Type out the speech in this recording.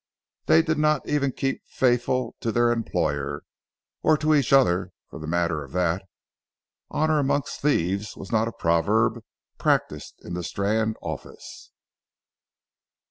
They did not even keep faithful to their employer, or to each other for the matter of that. "Honour amongst thieves" was not a proverb practised in the Strand office.